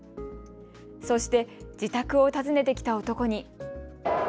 そして、自宅を訪ねてきた男に。